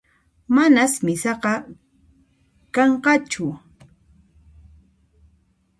Manas misaqa kanqachu